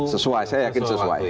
sesuai saya yakin sesuai